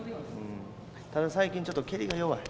ただ最近ちょっとけりが弱い。